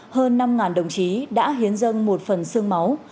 hơn năm đồng chí đã hiến dâng một phần xương máu